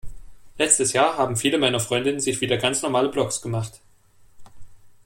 Letztes Jahr haben viele meiner Freundinnen sich wieder ganz normale Blogs gemacht.